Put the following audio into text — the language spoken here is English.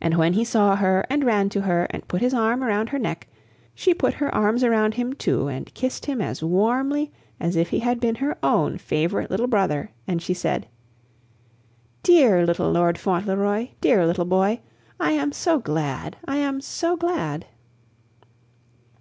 And when he saw her and ran to her and put his arm around her neck, she put her arms around him, too, and kissed him as warmly as if he had been her own favorite little brother, and she said: "Dear little Lord Fauntleroy! dear little boy! I am so glad! I am so glad!"